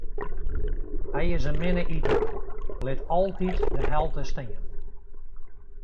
Hy is in minne iter, lit altyd de helte stean.